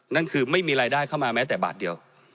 นั่นคือไม่มีรายได้เข้ามาแม้แต่บาทเดียว